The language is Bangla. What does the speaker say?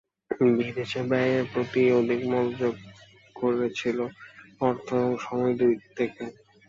বিদেশে ব্যয়ের প্রতিই অধিক মনোযোগ করেছিল, অর্থ এবং সময় দুই দিক থেকেই।